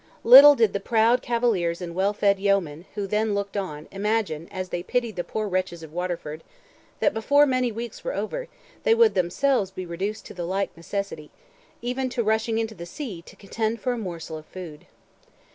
Little did the proud cavaliers and well fed yeomen, who then looked on, imagine, as they pitied the poor wretches of Waterford, that before many weeks were over, they would themselves be reduced to the like necessity—even to rushing into the sea to contend for a morsel of food.